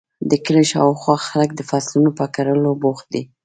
د کلي شااوخوا خلک د فصلونو په کرلو بوخت دي.